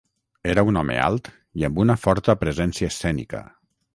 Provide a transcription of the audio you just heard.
Era un home alt i amb una forta presència escènica.